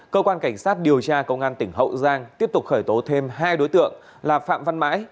cơ quan cảnh sát điều tra công an tỉnh hậu giang tiếp tục khởi tố thêm hai đối tượng là phạm văn mãi